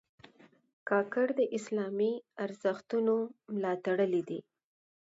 کاکړ د اسلامي ارزښتونو ملاتړي دي.